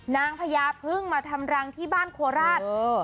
พญาพึ่งมาทำรังที่บ้านโคราช